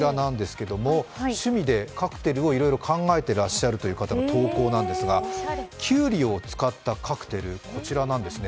趣味でカクテルをいろいろ考えてらっしゃるという方の投稿なんですが、きゅうりを使ったカクテル、こちらなんですね。